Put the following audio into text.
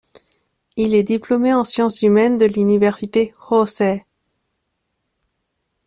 Il est diplômé en sciences humaines de l'Université Hōsei.